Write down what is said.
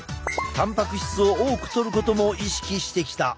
たんぱく質を多くとることも意識してきた。